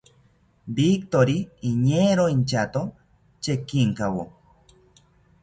Victori iñeero inchato chekinkawo